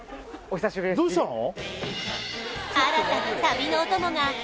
どうしたの？